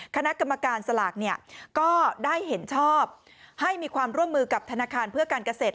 คณะกรรมการสลากเนี่ยก็ได้เห็นชอบให้มีความร่วมมือกับธนาคารเพื่อการเกษตร